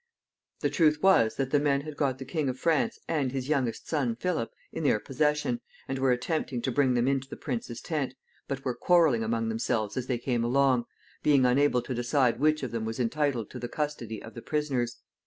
The truth was, that the men had got the King of France and his youngest son Philip in their possession, and were attempting to bring them in to the prince's tent, but were quarreling among themselves as they came along, being unable to decide which of them was entitled to the custody of the prisoners.